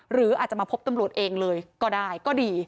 หรืออาจจะมาพบตำรวจเองเลยก็ได้ก็ดี